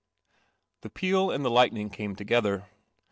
The peal and the lightning came together.